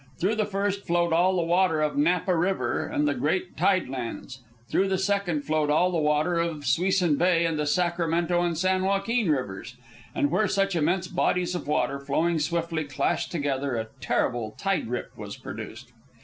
Through the first flowed all the water of Napa River and the great tide lands; through the second flowed all the water of Suisun Bay and the Sacramento and San Joaquin rivers. And where such immense bodies of water, flowing swiftly, clashed together, a terrible tide rip was produced.